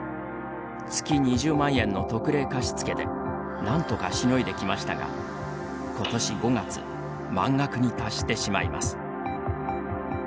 月２０万円の特例貸付で何とかしのいできましたが今年５月満額に達してしまいます。